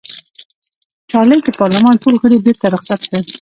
چارلېز د پارلمان ټول غړي بېرته رخصت کړل.